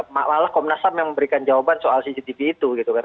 malah komnas ham yang memberikan jawaban soal cctv itu gitu kan